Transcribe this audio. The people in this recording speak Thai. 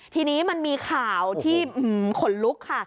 ทีนี้มันมีข่าวที่ขนลุกค่ะ